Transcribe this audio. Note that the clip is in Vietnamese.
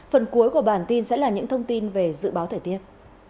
phần cuối của bản tin sẽ là những thông tin về dự báo thời tiết